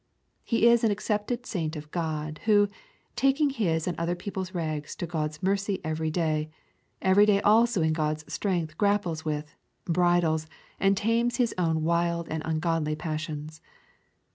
He is an accepted saint of God, who, taking his and other people's rags to God's mercy every day, every day also in God's strength grapples with, bridles, and tames his own wild and ungodly passions.